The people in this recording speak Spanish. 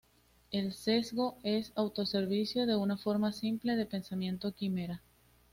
El sesgo de autoservicio es una forma simple de pensamiento quimera.